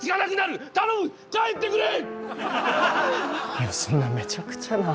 いやそんなめちゃくちゃな。